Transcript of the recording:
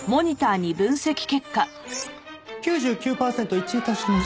９９パーセント一致致しました。